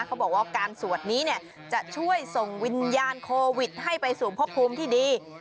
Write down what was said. เขาบอกว่าการสวดนี้จะช่วยส่งวิญญาณโควิดให้ไปสู่พบภูมิที่ดี